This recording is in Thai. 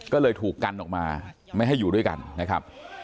ก็เลยถูกกันออกมาไม่ให้อยู่ด้วยกันนะครับ